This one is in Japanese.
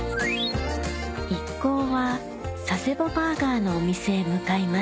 一行は佐世保バーガーのお店へ向かいます